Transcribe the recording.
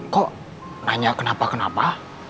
kok nanya kenapa kenapa